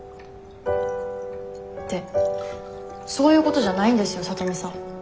ってそういうことじゃないんですよ聡美さん。